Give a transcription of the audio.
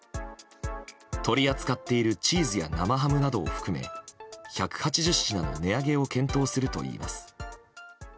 取り扱っているチーズや生ハムなどを含め１８０品が値上げを検討するといいます。